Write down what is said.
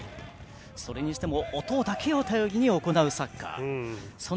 それにしても音だけを頼りに行うサッカー。